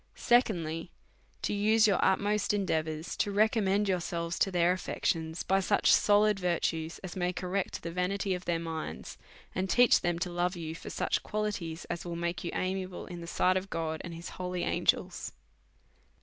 Secondly/, To use your utmost endeavours to re commend yourselves to their affections by such solid virtues as may correct the vanity of their minds, and teach them to love you for such qualities, as will make you amiable in the sight of God and his holy ang^els.